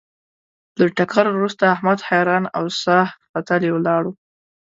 له ټکر ورسته احمد حیران او ساه ختلی ولاړ و.